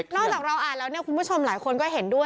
เราจากเราอ่านแล้วเนี่ยคุณผู้ชมหลายคนก็เห็นด้วย